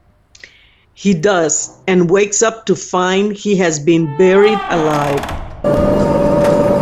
He does, and wakes up to find he has been buried alive.